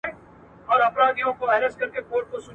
دغه نرمغالی دونه ښه دی چي هر څوک یې ستاینه کوی.